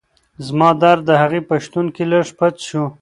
زما درد د هغې په شتون کې لږ پڅ شو.